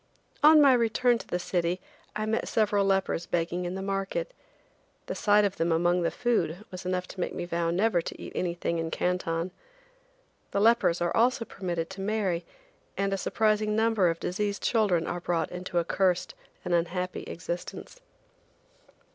On my return to the city I met several lepers begging in the market. The sight of them among the food was enough to make me vow never to eat anything in Canton. The lepers are also permitted to marry, and a surprising number of diseased children are brought into a cursed and unhappy existence.